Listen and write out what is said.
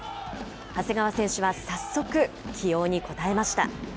長谷川選手は早速、起用に応えました。